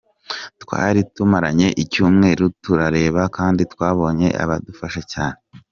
Twari tumaranye icyumweru tubareba kandi twabonye badufasha cyane.